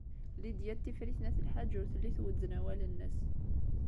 Lidya n Tifrit n At Lḥaǧ ur telli twezzen awal-nnes.